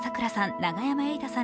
永山瑛太さん